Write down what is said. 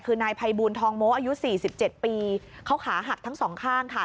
คือนายภัยบูลทองโม้อายุสี่สิบเจ็ดปีเขาขาหักทั้งสองข้างค่ะ